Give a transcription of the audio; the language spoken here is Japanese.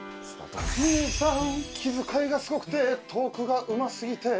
「ｍｉｌｅｔさん気遣いがすごくてトークがうますぎて」